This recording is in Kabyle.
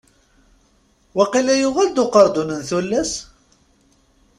Waqila yuɣal-d uqerdun n tullas?